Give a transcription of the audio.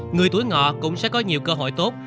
người tuổi ngọ cũng sẽ có nhiều cơ hội tốt